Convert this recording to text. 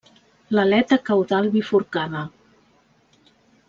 L'aleta caudal bifurcada.